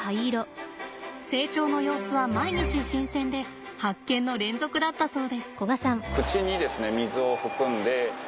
成長の様子は毎日新鮮で発見の連続だったそうです。